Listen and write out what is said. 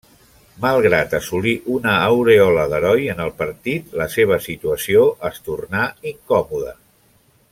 Malgrat assolir una aurèola d'heroi en el partit, la seva situació es tornà incòmoda.